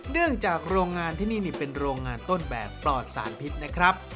เนื่องจากโรงงานที่นี่เป็นโรงงานต้นแบบปลอดสารพิษนะครับ